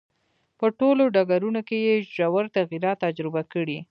په ټولو ډګرونو کې یې ژور تغییرات تجربه کړي.